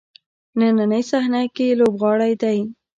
نننۍ صحنه کې لوبغاړی دی.